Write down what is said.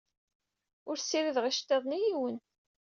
Ur ssirideɣ iceḍḍiḍen i yiwen.